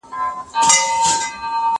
زه به سبا لوښي وچوم؟